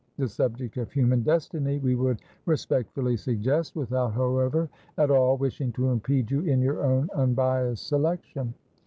The subject of Human Destiny we would respectfully suggest, without however at all wishing to impede you in your own unbiased selection.